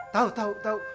tahu tahu tahu